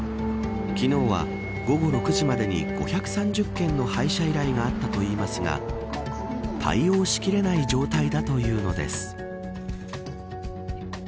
昨日は午後６時までに５３０件の配車依頼があったといいますが対応しきれない状態だというのです。